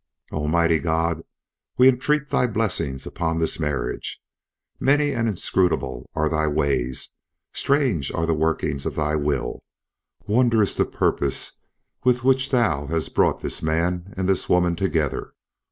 "Almighty God, we entreat Thy blessing upon this marriage. Many and inscrutable are Thy ways; strange are the workings of Thy will; wondrous the purpose with which Thou hast brought this man and this woman together.